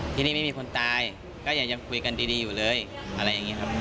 ที่นี่ไม่มีคนตายก็ยังคุยกันดีอยู่เลยอะไรอย่างนี้ครับ